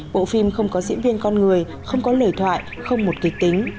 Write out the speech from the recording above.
bộ phim không có diễn viên con người không có lời thoại không một kịch tính